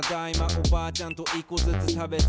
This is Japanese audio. おばあちゃんと１こずつ食べていた。